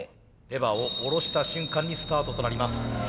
レバーを下ろした瞬間にスタートとなります。